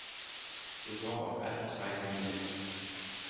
Bureau of Advertising" mit.